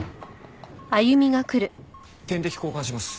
点滴交換します。